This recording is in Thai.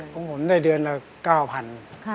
ของผมได้เดือนละ๙๐๐บาท